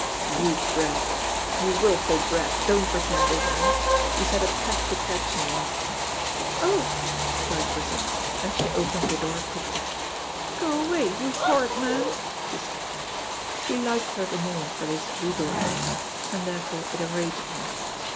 "You brat, you wilful brat, don't pretend ignorance. You set a trap to catch me, and " "Oh!" cried Grizel, and she opened the door quickly. "Go away, you horrid man," she said. He liked her the more for this regal action, and therefore it enraged him.